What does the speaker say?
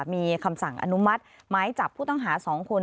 มีคำสั่งอนุมัติหมายจับผู้ต้องหา๒คน